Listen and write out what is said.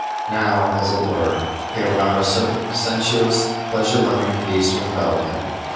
Now, as it were, he allowed a certain sensuous, pleasure loving ease to envelop him.